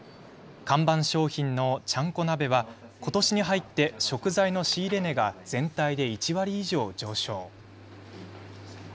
看板商品のちゃんこ鍋はことしに入って食材の仕入れ値が全体で１割以上上昇。